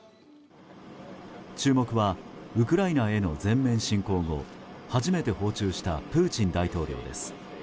注目はウクライナへの全面侵攻後初めて訪中したプーチン大統領です。